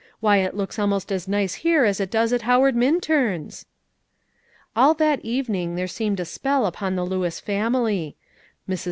Why, it looks almost as nice here as it does at Howard Minturn's." All that evening there seemed a spell upon the Lewis family. Mrs.